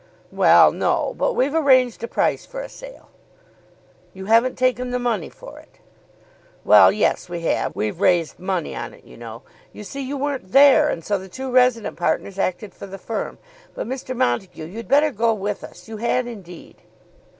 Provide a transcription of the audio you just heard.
"Well; no. But we've arranged a price for a sale." "You haven't taken the money for it?" "Well; yes; we have. We've raised money on it, you know. You see you weren't there, and so the two resident partners acted for the firm. But Mr. Montague, you'd better go with us. You had indeed."